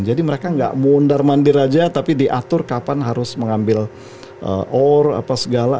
jadi mereka nggak mundar mandir aja tapi diatur kapan harus mengambil ore apa segala